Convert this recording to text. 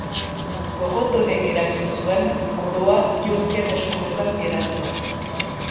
Porrot honek eragin zuen koroa Yorken eskuetan geratzea.